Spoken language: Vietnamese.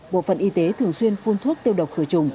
bộ phận y tế thường xuyên phun thuốc tiêu độc khử trùng